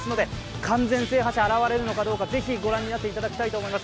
完全制覇者が現れるのかどうか、ぜひご覧になっていただければと思います。